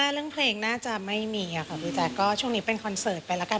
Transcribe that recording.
เรื่องเพลงน่าจะไม่มีค่ะพี่แจ๊คก็ช่วงนี้เป็นคอนเสิร์ตไปแล้วกัน